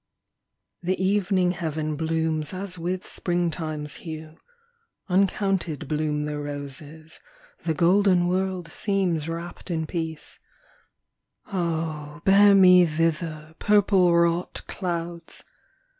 The ev 'ning heaven blooms as with springtime 's hue ; Uncounted bloom the roses, the golden world Seems wrapt in peace; oh, bear me thither, Purple wrought clouds!